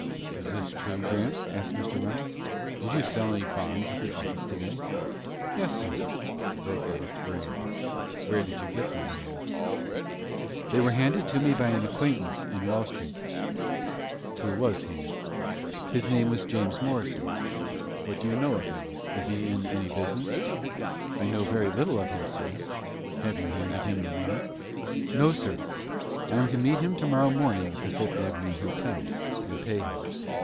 "Is this true, Grant?" asked Mr. Reynolds. "Did you sell any bonds at the office to day?" "Yes, sir." The broker looked grave. "Where did you get them?" he asked. "They were handed to me by an acquaintance in Wall Street." "Who was he?" "His name is James Morrison." "What do you know of him? Is he in any business?" "I know very little of him, sir." "Have you handed him the money?" "No, sir. I am to meet him to morrow morning at the Fifth Avenue Hotel, and pay him."